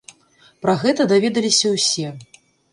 Пра гэта даведаліся ўсе.